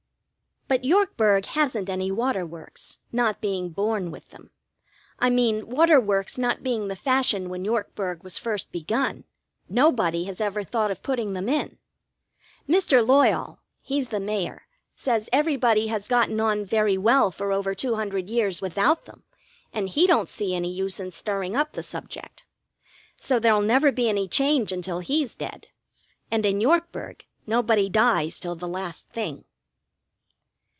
But Yorkburg hasn't any water works, not being born with them. I mean, water works not being the fashion when Yorkburg was first begun, nobody has ever thought of putting them in. Mr. Loyall, he's the mayor, says everybody has gotten on very well for over two hundred years without them, and he don't see any use in stirring up the subject. So there'll never be any change until he's dead, and in Yorkburg nobody dies till the last thing.